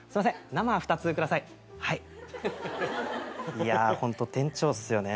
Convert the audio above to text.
いやあホント店長っすよね。